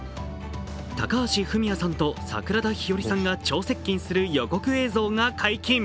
高橋文哉さんと桜田ひよりさんが超接近する予告映像が解禁。